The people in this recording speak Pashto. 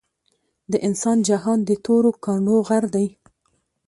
د انسان جهان د تورو کانړو غر دے